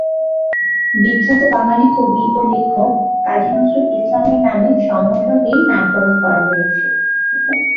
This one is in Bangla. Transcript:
বিখ্যাত বাঙালি কবি ও লেখক কাজী নজরুল ইসলামের নামে সংগঠনটির নামকরণ করা হয়েছে।